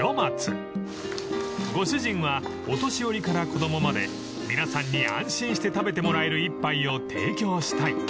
［ご主人はお年寄りから子供まで皆さんに安心して食べてもらえる一杯を提供したい］